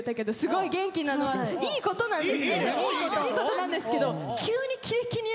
いいことなんですけど。